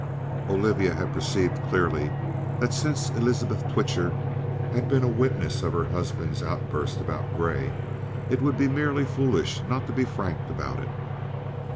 Olivia had perceived clearly that since Elizabeth Twitcher had been a witness of her husband's outburst about Grey, it would be merely foolish not to be frank about it.